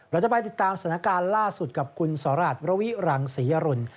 เราจะไปติดตามสถานการณ์ล่าสุดกับคุณสราชระวิรังศรีอรุณ